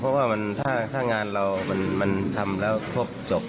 เพราะว่าถ้างานเรามันทำแล้วครบจบ